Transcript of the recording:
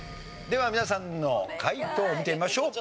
では皆さんの解答見てみましょう。